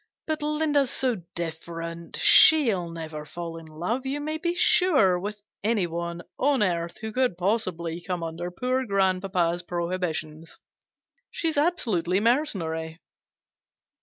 But Linda's so different. Shell never fall in love, you may be sure, with any one on earth who could possibly come under poor grandpapa's prohibitions. She's absolutely mercenary